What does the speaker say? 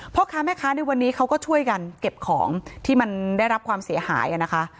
พ่อค้าแม่ค้าในวันนี้เขาก็ช่วยกันเก็บของที่มันได้รับความเสียหายนะคะ